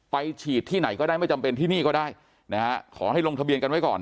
ฉีดที่ไหนก็ได้ไม่จำเป็นที่นี่ก็ได้นะฮะขอให้ลงทะเบียนกันไว้ก่อน